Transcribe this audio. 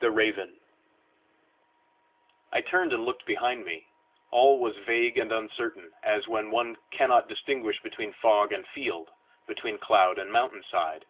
THE RAVEN I turned and looked behind me: all was vague and uncertain, as when one cannot distinguish between fog and field, between cloud and mountain side.